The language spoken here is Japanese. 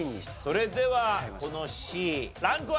それではこのＣランクは？